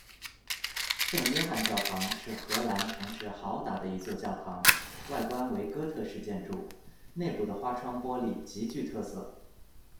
圣约翰教堂是荷兰城市豪达的一座教堂，外观为哥特式建筑，内部的花窗玻璃极具特色。